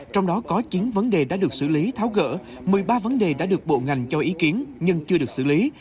trong đó có chín vấn đề đã được xử lý tháo gỡ một mươi ba vấn đề đã được bộ ngành cho ý kiến nhưng chưa được xử lý